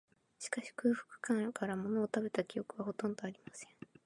しかし、空腹感から、ものを食べた記憶は、ほとんどありません